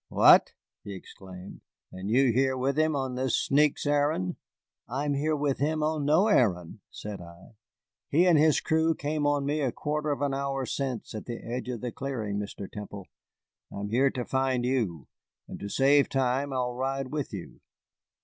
"What," he exclaimed, "and you here with him on this sneak's errand!" "I am here with him on no errand," said I. "He and his crew came on me a quarter of an hour since at the edge of the clearing. Mr. Temple, I am here to find you, and to save time I will ride with you."